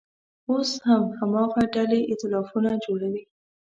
اوس هم هماغه ډلې اییتلافونه جوړوي.